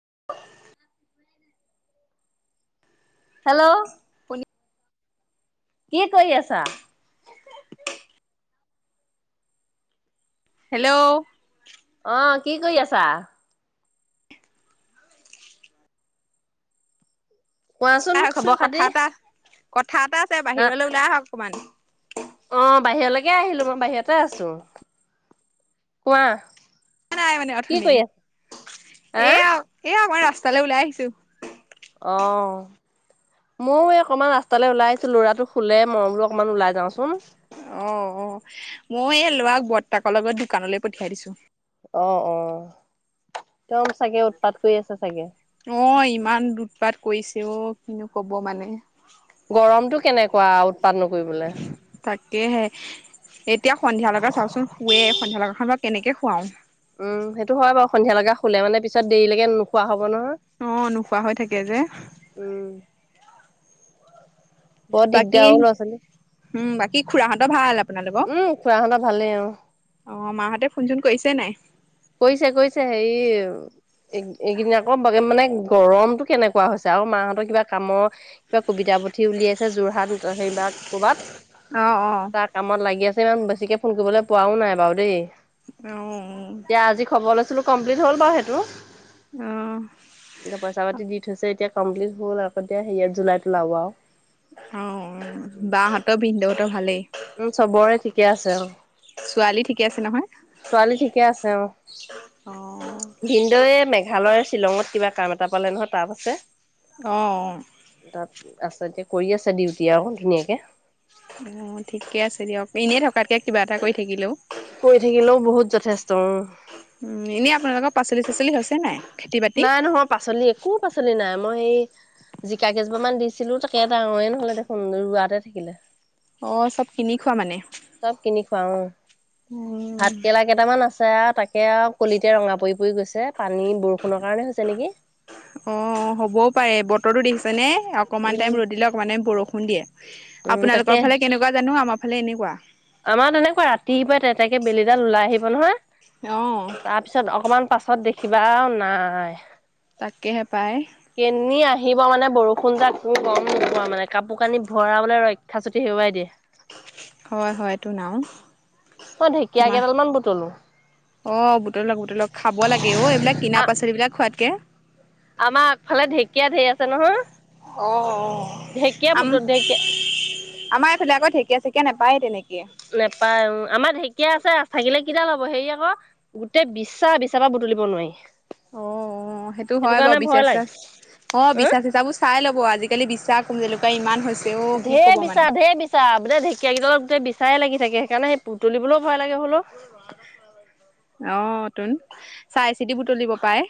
[unintelligible] Hello শুনি কি কৰি আছা? হেল্ল অহ কি কৰি আছা? কোৱাচোন ওলাই আহকচোন! খবৰ খাতি? কথা এটা কথা এটা আছে, আ বাহিৰলৈ ওলাই আহক। অকমান অ বাহিৰলৈকে আহিলো মই বাহিৰতে আছো। কোৱা? অহা নাই মানে কি অথনি? কৰি আছা? হা এয়া এয়া মই ৰাস স্তালে ওলাই আহিছো। অ, ময়ো এই অকমান ৰাস্তালৈ ওলাই আহিছো লৰাটো শুলে মই বোলো অকমান ওলাই যাওচোন। অ অ মই এই লৰাক বৰ্তাকৰ লগত দোকানলৈ পঠিয়াই দিছো। অ অ একদম চাগে উৎপাত কৰি আছে চাগে অ ইমান দুধপাত কৰিছে অ কিনো কব মানে গৰমতো কেনেকোৱা আও তাকেহে এতি এতিয়া সন্ধিয়া লেকে চাওঁচোন শুৱে সন্ধিয় লগাখনত কেনেকে খুৱাও উম সেইটো হয় বাৰু সন্ধিয়া লগা খুলে মানে পিছত দেৰিলৈকে নোখোৱা হ'ব নহয়। অ নোখোৱা হৈ থাকে যে উম, বৰ দিগদাৰ হ'ল ল'ৰা ছোৱালী কি খুৰাহঁতৰ ভাল আপোনালোকক উম, খুৰাহঁতৰ ভালেই অ'। অঁ মাহঁতে ফোন চোন কৰিছে নাই কৰিছে কৰিছে হেৰি এইকেইদিন আকৌ মানে গৰমতটো কেনেকুৱা হৈছে আৰু মাহঁতৰ কিবা কামৰ ক কবিতা পুথি উলিয়াইছে যোৰহাট সেইবাৰ ক'ৰবাত অ তাৰ কামত লাগি আছে ইমান বেছিকে ফোন কৰিবলৈ পোৱাও নাই বাৰু দেই অ অ এতিয়া আজি খব লৈছিলো কম্লিট হ'ল বাৰু সেইটো অ অ এ পইচা পাতি দি থৈছে এতিয়া কমপ্লিট হ'ল আকৌতিয়া হেয়াত জুলাইত উলাব আৰু অ বাহঁতৰ বিন্দউতৰ ভালেই উম চবৰে ঠিকে আছে অ ছোৱালী ঠিকে আছে নহয় অ ভিনদয় মেঘালয় শ্বিলঙত কিবা কাম এটা পালে নহয় তাপ আছে অঁ তাত আছে এতিয়া কৰি আছে ডিউটি আৰু ধুনীয়াকে অ ঠিকে আছে দিয়ক এনেই থকাতকৈ কিবা এটা কৰি থাকিলেও কৰি থাকিলেও বহুত যথেষ্ট উম এনে আপোনালোকৰ পাচলি চাচলি হৈছে নাই খেতি বাতি নাই নহয় পাচলি একো শাক পাচলি নাই মই সেই জিকা কেইজপা মান দিছিলো তাকে ডাঙৰে নহলে দেখোন ৰোৱাতে থাকিলে অ চব কিনি খোৱা মানে চব কিনি খুৱা অ ভাত উম কেৰেলা কেইটামান আছে তাকে আৰু কলিতে ৰঙা পৰি পৰি গৈছে পানী বৰষুণৰ কাৰণে হৈছে নেকি অ হ'বও পাৰে বতৰটো দেখিছে নে অকনমান উম টাইম ৰ'দিলে অকমান টাইম বৰষুণ সুন্দিয়ে উম তাকে আপোনালোকৰ ফালে কেনেকুৱা জানো? আমাৰ ফালে এনেকুৱা। আমাৰ তেনেকুৱা ৰাতিপুৱাই তেতেকে বেলিডাল ওলাই আহিব নহয় অ তাৰপিছত অকমান পাছত দেখিবা না নায় তাকেহে পায় কেনি আহিব মানে বৰষুণ জাক তুমি গম নোপোৱা। মানে কাপোৰ কানি ভৰাবলে ৰক্ষা চুতি হেৰুৱাই দিয়ে। হয় হয় এইটো নাও মই ঢেকীয়া মা কেইডাল মান বুটলো, অ' বুটলক বুটলক খাব লাগে অ'এইবিলাক কিনা আ পাচলিবিলাক খোৱাতকে আমাৰ আগফালে ঢেকীয়া ঢেৰ আছে নহয় ঢেকীয়া অ'অ' অ বুটত ঢেকীয়া আমাৰ এইফালে আকৌ ঢেকীয়া চেকিয়া। এনেকে নেপায় তেনেকে। নেপায় অ আমাৰ ঢেঁকীয়া আছে। থাকিলে কিদাল হব। হেৰি আকৌ গোটেই বিচা, বিচাৰ পৰা বুটলিব নোৱাৰি। অ' অ' সেইটো হয় বাৰু, কাৰণে বিছা ভয় চিছা লাগে অ' হা বিছা চিছাবোৰ চাই লবি- আজিকালি বিছা কুনজেলুকা ইমান হৈছে। অ', কি ঢেৰ ক'ব মানে। বিচা ঢেৰ বিচা, বোলে ঢেকীয়াকেইদালত গোতেই বিচা চাই লাগি থাকে, সেইকাৰণে সেই বুতলিবলৈও ভয় লাগে। হলেও অ' তই নো চাই চিতি বুটলিব পাই।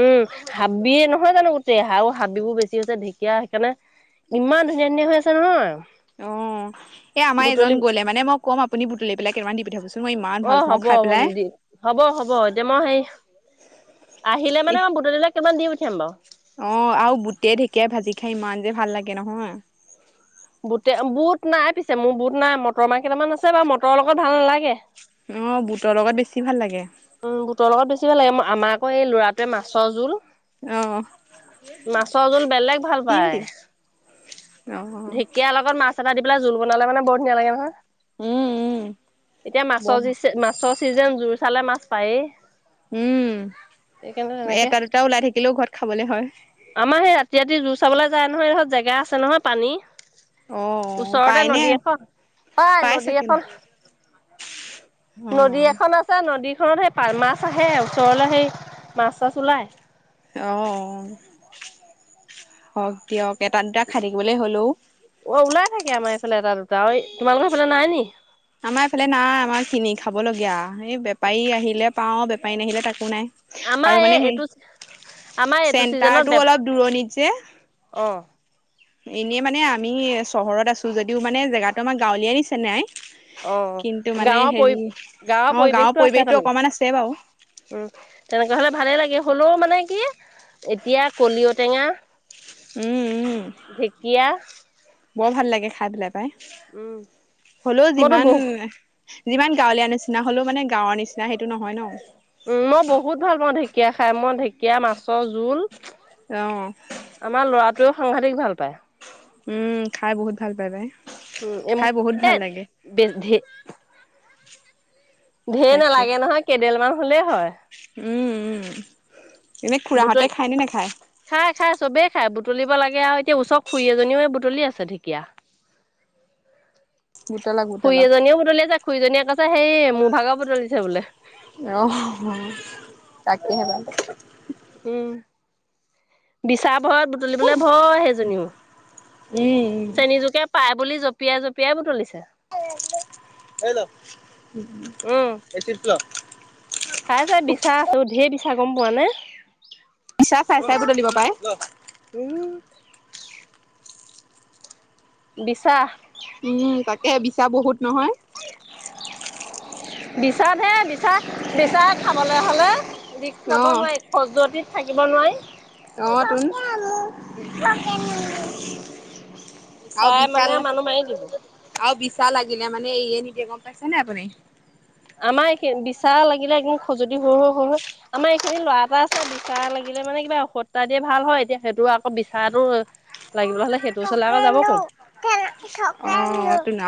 উম হাবিয়ে নহয় জানো গোটেই আৰু হাবিবোৰ বেছি হৈছে ঢেকীয়া সেইকাৰণে ইমান ধুনীয়া ধুনীয়া হৈ আছে নহয়, অ' এ আমাৰ এজন বুটলি গ'লে মানে মই ক'ম আপুনি বুটলি পেলাই কেদালমান দি পঠাবচোন। অ' হ'ব হ'ব দিম হ'ব হ'ব এতিয়া মই হেই আহিলে মানে ইহ। অ' বুটলি পেলাই কেদালমান দিম থাম বাৰু, [unintelligible] অ' আৰু বুটে ঢেকীয়াই ভাজি খাই ইমান যে ভাল লাগে নহয়, বুটে বুট নাই পিছে মোৰ বুট নাই মটৰ মাহ কেইটামান আছে বুট মটৰৰ লগত ভাল নালাগে। অ' বুটৰ লগত বেছি ভাল লাগে। উম বুটৰ লগত বেছি ভাল লাগে, আমাৰ আকৌ এই ল'ৰাটোৱে মাছৰ অ', জোল মাছৰ জোল বেলেগ ভাল পায়। তিনদিন অ'। ঢেঁকীয়াৰ লগত মাছ টাৰপৰা দি পেলাই জোল বনালে মানে বৰ ধুনীয়া লাগে উম, উম, নহয়। এতিয়া বৰ মাছৰ ভাল যি মাছ ছৰ চিজন জোৰ চালে মাছ পায়েই উম সেইকাৰণে তেনেকে এটা দুটা ওলাই থাকিলেও ঘৰত খাবলে হয় আমাৰ সেই ৰাতি ৰাতি জোৰ চাবলৈ যায় নহয় সিহঁত জেগা আছে নহয় পানী অ', ওচৰতে পাইনে? নদী এখন পাই নদী এখন নদী অ', এখন আছে নদীত খনত সেই প মাছ আহে ওচৰলৈ সেই মাছ চাছ ওলাই অ হওক দিয়ক এটা দুটা খাই থাকিবলৈ হ'লেও অ ওলাই থাকে আমাৰ সেইফালে এটা দুটা তোমালোকৰ সেইফালে নাই নি আমাৰ এইফালে নাই আমাৰ কিনি খাব লগীয়া [unintelligible] বেপাৰী আহিলে পাওঁ বেপাৰী ন আহিলে তাকো নাই আৰু আমাৰ মানে সেই এইটো আমাৰ এইটো চেণ্টাৰটো চিজনত ব অলপ দূৰণিত যে অ এনেই মানে আমি চহৰত আছো যদিও মানে জেগাতো আমাৰ গাঁৱলিয়া নিচিনাই অ কিন্তু মানে গাঁৱৰ হেৰি পৰি গাঁৱৰ অ', পৰিৱেশতটো আছে পৰিৱেশটো অকমান আছে বাৰু তাৰমানান উম তেনেকুৱা হলে ভালেই লাগে হলেও মানে কি এতিয়া কলিঅটেঙা উম, উম, ঢেকীয়া বৰ ভাল লাগে খাই পেলাই উম হ'লেও মইতো যিমান বহু যিমান গাঁৱলীয়া নিচিনা হলেও মানে গাঁৱৰ নিচিনা সেইটো নহয় ন উম মই বহুত ভাল পাওঁ থ ঢেকীয়া খাই মই ঢেঁকীয়া মাছৰ জোল আহ তেওঁও সাঘতিক ভাল পায় উম খাই বহুত ভাল পায় তাই উম এ [unintelligible] ঢেৰ তাকে নালাগে নহয় কেডেলমান ভলেই হয় উম উম এনে খুৰাহঁতে বুটল খায় নে নাখায় খাই খাই চবে খে বুটুলিব লাগে আৰু তে ওচৰ খুৰী এজনীও চলি আছে ঢেকীয়া গোটালক খুৰী গোটালক এজনীও বুটলি আছে খুুৰীয়ে কৈছে তাই হেৰি মোৰ ভাগৰ বোতলিছে বোলে অঁ তাকেহে পাই উম বিচাপ ভৰত বুটলিবলৈ ভয় সেইজনীও উম চেনী জোকে পাইপ বুলি জঁপিয়াই জঁপিয়াই বুটলিছে হল [unintelligible] চাই চাই বিচা আছো ঢেৰ ছ গম পোৱা নে পিছা চাই চাই বদলিব পাৰে উম বিছাস উম তাকে বিছা বহুত নহয় বিচাত হে বিচ বিচাৰ খাবলৈ হ'লে ৰিক্ লব নোৱাৰি খজুৱতি থাকিব নোৱাৰি অ তুম উ বিচাই মানে মানুহ মাৰি দিব া লাগিলে মানে এয়ে নিদিয়ে গম পাইছ নে আপুনি আমাৰ এইখিন বিচা লাগিলে একদম খজুৱতি সৰু সৰু সৰু আমাৰ এইখিনি ল'ৰা এটা আছে বিচৰা লাগিলে মানে কিবা ঔষতা দিয়ে ভাল হয় এতিয়া সেইটো বিচাৰো লাগিব হ'লে সেইটো টো ওচৰলে আকৌ যাব কোন ন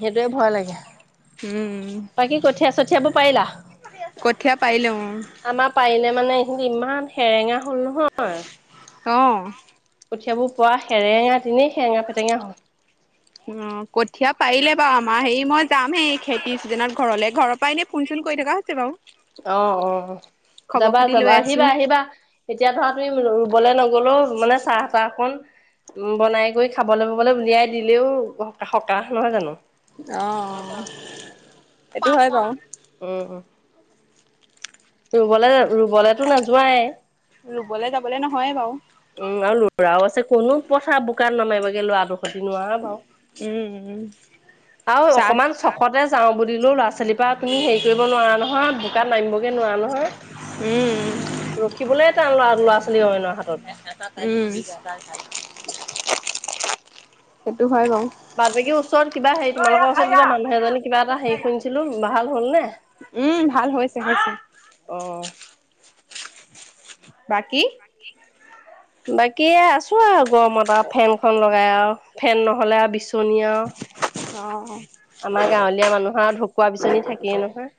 সেইটোৱে ভয় লাগে উম, বাকী কঠীয়া চঠিয়াব পাইলা কঠীয়া পাৰিলো পাৰিলে মানে এইিনি ইমান সেৰেঙা হল নহয় অ'। কঠিয়াবোৰ পুৱা সেৰেঙা দিনেই সেৰেঙা পেটঙা হল অ কঠীয়াা পাৰিলে বাৰু আমাৰ হেৰি মই আমি এই খেতিছীজেনত ঘৰলৈ ঘৰৰ পৰাই এনে ফোন চোন কৰি থকা হৈছে বাৰু অ অ খবৰ যাবা খাতি যাবা লৈ আছো আহিবা আহিবা এতিয়া ধৰা তুমি বলে ন গ'লও মানে চাহ চাহখন উ বনাই কৰি খাবলৈ বাবলৈ উলিয়াই দিলেও সকাহ নহয় জানো আহ সেইটো হয় বাৰু ৰুবলৈ ৰুবলৈতো না যোৱাই ৰুবলে যাবলে নহয়ে বাৰু উম আৰু লৰাও আছে কোনো পঠা বোকাত লৰমাৰিব লোৱা দূখতে নোৱাৰা বাৰু উম, উম আৰু চাহ অকমান চকতে যাওঁ বুলিলো ল'ৰা ছোৱালীৰ পৰা তুমি হেৰি কৰিব নোৱাৰা নহয় বোকাত নামিবগৈ নোৱাৰা উম, নহয় ৰখিবলৈ তান ল'ৰা ছোৱালী অইনৰ হাতত উম, সেইটো হয় বাৰু বাট বাকীৰ ওচৰত কিবা হেৰি তোমালোকৰ ওচৰত কিবা মানুহ এজনী কিবা এটা হেৰি শুনিছিলো ভাল হল নে উম, ভাল হৈছে হৈছে অ বাকি বাকি আছো আৰু গৰমত আৰু ফেনখন লগাই আৰু ফেন নহ'লে আৰু বিচো অ আমাৰ গাঁৱলীয়া মানুহৰ ঢকুৱা বিচনী থাকেই নহয়।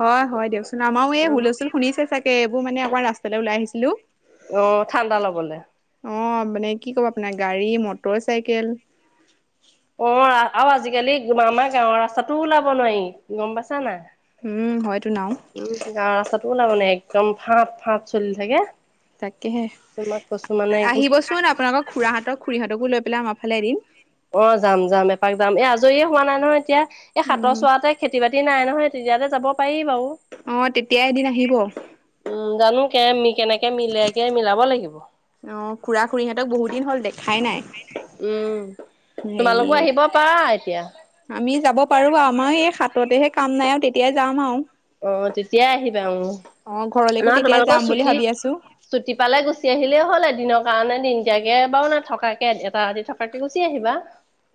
হয় হয় দিয়কচোন আমাৰো এই উম হুলস্থুল শুনিছে চাগে এইবোৰ মানে আমাৰ ৰাস্তা তে ওলাই আহিছিলো অ', ঠাণ্ডা ল'বলে। অ মানে কি কব আপোনাৰ গাড়ী মটৰ মটৰ চাইকেল অ আৰু আজিকালি আমাৰ গাঁৱৰ ৰাস্তাটো ওলাব নোৱাৰি গম পাইছা না হয়তো নাও উম গাৱৰ ৰাস্তাাতটো ওলাব নোৱাৰি একদম ফা ফা চলি থাকে তাকেহে তোমাক কৈছো মানে একদম আহিবচোন আপোনালোকৰ খুৰাহতৰ খুুৰীহঁত কো লৈ পেলাই আমাৰ ফালে এদিন অ যাম যাম এপাক যাম এ আজৰিয়ে হোৱা নাই নহয় এতিয়া এই সাতৰ উম চোৱাতে খেতি বাতি নাই ন হয় তেতিয়াতে যাব পাৰি বাৰু অ তেতিয়া এদিন আহিব অ উ জানো [unintelligible] কেনেকে মিলেগে মিলাব লাগিব খুৰা খুৰীহঁতক বহুত দিন হ'ল দেখাই নাই উম তোমালোকো হেৰি আহিব পাৰা আহ এতিয়া আমি যাব পাৰো আমাৰ এই হাততেহে কাম নাই তেতিয়াই যাম আৰু অ তেতিয়াই আহিবা উ অ ঘৰলৈকো নহয় তেতিয়াই তোমালোকৰ যাম বুলি ছুটি ভাবি আছো ছুটি পালে গুচি আহিলেই হ'ল এদিন কাৰণে দিনদিয়াকে বাৰু ন থকাকে এটা ৰাতি থকাকে গুচি আহিবা।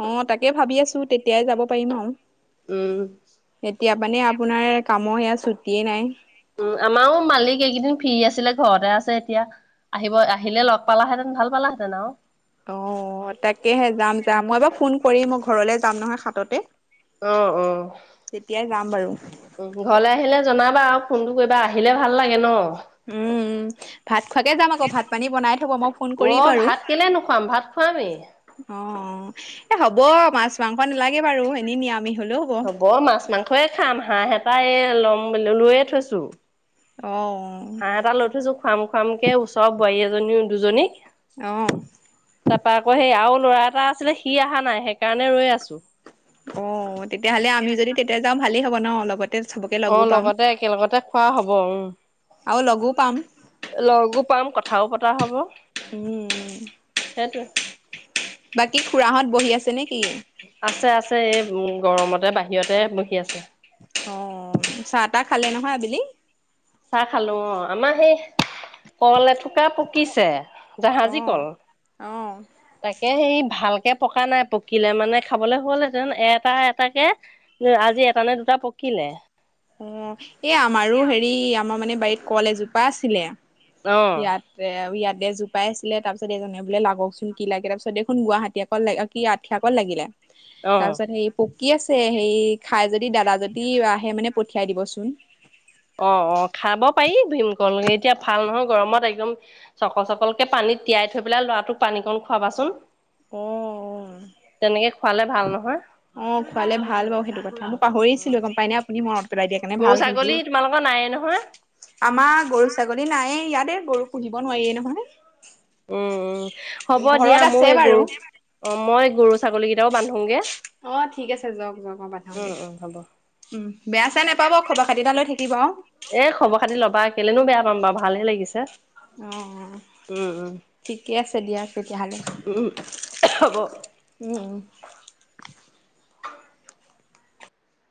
অ তাকে ভাবি আছো তেতিয়াই যাব পাৰিম আৰু উম, এতিয়া মানে আপোনাৰ কামৰে - ফূৰ্তিয়ে নাই- উম আমাৰো মালিক এইকেইদিন ফ্ৰী আছিলে ঘৰতে আছে এতিয়া, আহিব আহিলে লগ পালাহেতেন ভাল পালাহেঁতেন আৰু- অ'- তাকেহে যাম যাম মই বাও ফোন- কৰি মোৰ ঘৰলৈ যাম নহয় সাততে। অ অ - তেতিয়াই যাম বাৰু। উ ঘৰলৈ আহিলে জনাবা আ ফোনটো কৰিবা, আহিলে ভাল লাগে ন। উ উ [unintelligible] ভাত খোৱাকে যাম আকৌ, ভাত পানী বনাই থব, মই ফোন কৰিম অ', বাৰু ভাত কেলে নোখুৱাম ভাত খুৱামেই। অ অ - এ হ'ব মাছ মাংস নালাগে বাৰু এনে নিৰামিষ। হব মাছ মাংসয়ে খাম হাঁহ এটায়ে- ল'ম লৈয়ে থৈছো। অ' হাঁহ এটা লৈ থৈছো খুৱাম খুৱাম কে ওচৰ বোৱাৰী এজনীও- দুজনীক- অ' [inaudible] তাৰপা ক হে আও - লৰা এটা আছিলে, সি অহা নাই সেইকাৰণে ৰৈ আছো। অ, তেতিয়াহ'লে আমি যদি তেতিয়া যাম। ভালেই হ'ব ন লগত। অ লগতে একেলগতে খোৱা হব উম, আৰু লগো পাম আৰু লগো পাম, লগো পাম কথ- থাও পতা হ'ব। [unintelligible] সেটোৱে। বাকী খুড়াহত বহি আছে নে? আছে আছে এ- উম, গৰমতে বাহিৰতে বহি আছে। অ, চাহ তাহ খালে নহয় আবেলি? চাহ খালো অ, আমাৰ সেই- কল এথোকা পকিছে। জাহাজী অ', কল। অ', তাকে সেই ভালকে পকা নাই, পকিলে মানে খাবলে হ'লহেঁতেন, এটা এটাকে ৱে আজি এটা নে দুটা পকিলে। অ, এ আমাৰো হেৰি আমাৰ মানে- বাৰীত কল এজোপা আছিলে। অ ইয়াতে আৰু ইয়াত দেজোপাই আছিলে তাৰপিছত এজনে বোলে লাগকচোন কি লাগে তাৰপিছত দেখোন গুৱাহাটী অকল কি আঠি অকল লাগিলে। তাৰপিছত সেই পোক কি আছে সেই খাই যদি অ। দাদা যদি আহে মানে পঠিয়াই দিবচোন। অ অ খাব পাৰি ভীমকল এতিয়া ভাল নহয় গৰমত একদম চকল চকলকে পানীত তিয়াই থৈ পেলাই লৰাটোক পানী কণ খুৱাবাচোন। অ', অ', তেনেকে খোৱালে ভাল নহয়। হা অ খোৱালে ভাল বাৰু সেইটো কথা মই পাহৰিছিলো গম পাই নাই আপুনি মনত পেলাই দিয়া কাৰণে গৰু ভাল হল দেই ছাগলী তোমালোকৰ নাইয়ে নহয় আমাৰ গৰু ছাগলী নাই এই ইয়াত। হে গৰু পুহিব নোৱাৰিয়ে নহয়। উম উম হ'ব দিয়া ঘৰত আছে ময় গৰু বাৰু অ মই গৰু ছাগলীকেইটাও বান্ধোগে। অ ঠিক আছে যাওক যাওক। ই দ উম, উম, হ'ব। উম বেয়া চাই নাপাব খবৰ খাতি এটা লৈ থাকিব আৰু এ খবৰ খাতি ল'বা কেলেনো বেয়া পাম বা ভালহে লাগিছে। অ উম, উম, ঠিকে আছে দিয়াক তেতিয়াহলে উম, হ'ব। উম